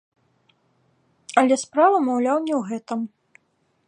Але справа, маўляў, не ў гэтым.